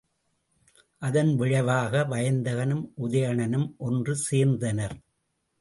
அதன் விளைவாக வயந்தகனும் உதயணனும் ஒன்று சேர்ந்தனர்.